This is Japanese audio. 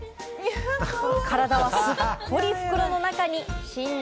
体はすっぽり袋の中に！